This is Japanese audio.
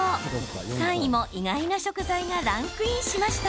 ３位も意外な食材がランクインしました。